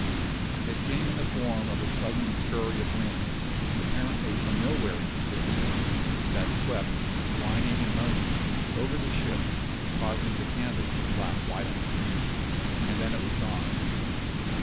It came in the form of a sudden scurry of wind, apparently from nowhere in particular, that swept, whining and moaning, over the ship, causing the canvas to flap violently and then it was gone.